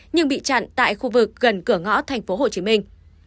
nhưng bị chặn tại khu vực gần cửa ngõ thành phố hồ chí minh